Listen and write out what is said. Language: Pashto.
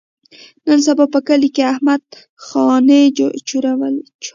نن سبا په کلي کې احمد خاني چولي.